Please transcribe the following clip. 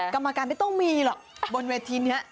กรรมการไม่ต้องมีหรอกบนเวทีนี้